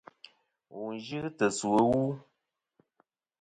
Wù n-yɨ tɨ̀ sù ɨwu.